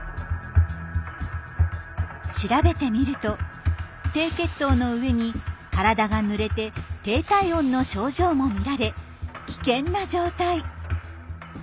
調べてみると低血糖のうえに体がぬれて低体温の症状も見られ危険な状態。